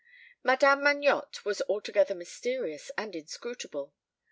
Madame Magnotte was altogether mysterious and inscrutable.